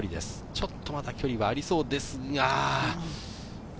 ちょっと距離はありそうです。